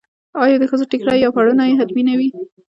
آیا د ښځو ټیکری یا پړونی حتمي نه وي؟